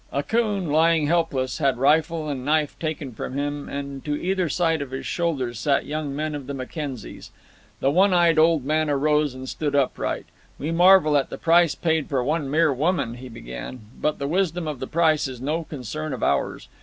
Akoon, lying helpless, had rifle and knife taken from him, and to either side of his shoulders sat young men of the Mackenzies. The one eyed old man arose and stood upright. "We marvel at the price paid for one mere woman," he began; "but the wisdom of the price is no concern of ours.